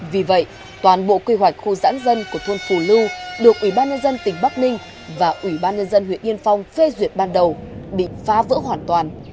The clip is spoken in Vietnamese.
vì vậy toàn bộ quy hoạch khu giãn dân của thôn phù lưu được ủy ban nhân dân tỉnh bắc ninh và ủy ban nhân dân huyện yên phong phê duyệt ban đầu bị phá vỡ hoàn toàn